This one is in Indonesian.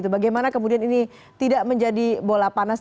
bagaimana kemudian ini tidak menjadi bola panas